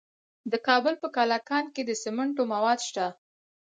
د کابل په کلکان کې د سمنټو مواد شته.